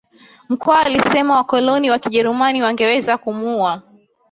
Mkwawa alisema wakoloni wa kijerumani wangeweza kumuua